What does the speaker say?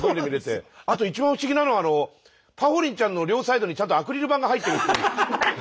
あと一番不思議なのはぱほりんちゃんの両サイドにちゃんとアクリル板が入ってるという。